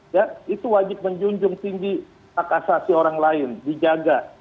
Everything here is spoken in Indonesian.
ya itu wajib menjunjung tinggi hak asasi orang lain dijaga